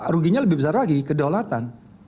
ruginya lebih besar lagi kedaulatan